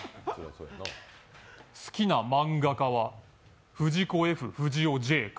好きな漫画家は藤子・Ｆ・不二雄・Ｊ・要。